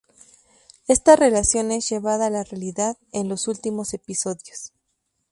Esta relación es llevada a la "realidad" en los últimos episodios.